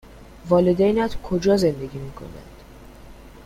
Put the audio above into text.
والدینت کجا زندگی می کنند؟